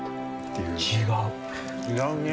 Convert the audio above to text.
違うね。